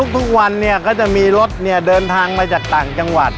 ทุกวันก็จะมีรถเดินทางมาจากต่างจังหวัด